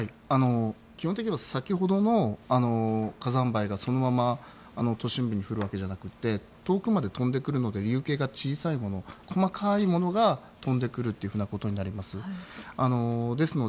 基本的には先ほどの火山灰がそのまま都心部に降るわけではなくて遠くまで飛んでくるまで小さいもの細かいものが飛んでくることになります。